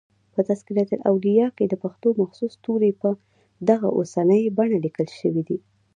په" تذکرة الاولیاء" کښي دپښتو مخصوص توري په دغه اوسنۍ بڼه لیکل سوي دي.